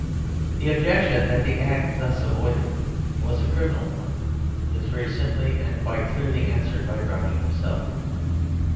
The objection that the act thus avoided was a criminal one is very simply and quite clearly answered by Browning himself.